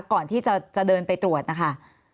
ก่อนที่จะเดินไปตรวจนะคะ